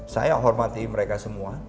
saya hormati mereka semua